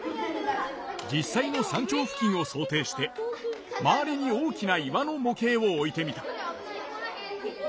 実さいの山頂付近を想定して周りに大きな岩の模型を置いてみた。